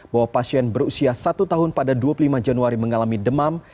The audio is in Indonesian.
bahwa pasien berusia satu tahun pada dua puluh lima januari mengalami demam